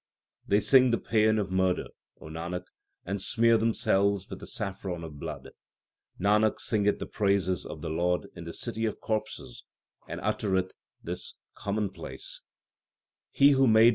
They sing the paean of murder, O Nanak, and smear themselves with the saffron of blood. Nanak singeth the praises of the Lord in the city of corpses, and uttereth this commonplace 1 He who performs heartfelt devotion.